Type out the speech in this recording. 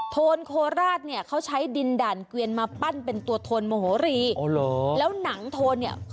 โทนโคลาสเนี่ยเขาใช้ดินด่านเกวียนมาปั้นเป็นตัวโทนโมโหรี